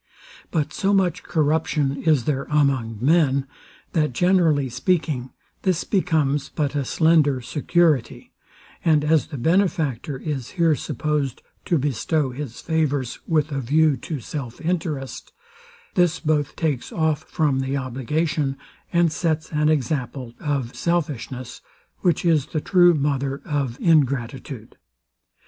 But so much corruption is there among men, that, generally speaking, this becomes but a slender security; and as the benefactor is here supposed to bestow his favours with a view to self interest, this both takes off from the obligation, and sets an example to selfishness, which is the true mother of ingratitude.